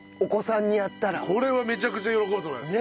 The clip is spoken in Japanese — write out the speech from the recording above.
これはめちゃくちゃ喜ぶと思います。